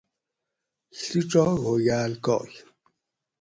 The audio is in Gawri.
ڷیڄاگ ہوگاۤل کاکۤ